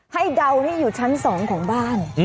เดาที่อยู่ชั้น๒ของบ้าน